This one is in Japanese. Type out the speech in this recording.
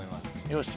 よし。